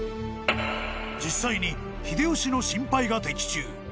［実際に秀吉の心配が的中］